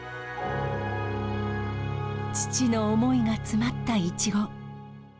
父の思いが詰まったイチゴ。